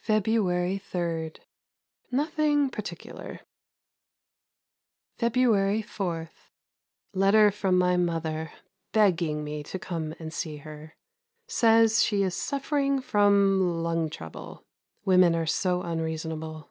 February 3. Nothing particular. February 4. Letter from my mother begging me to come and see her. Says she is suffering from lung trouble. Women are so unreasonable.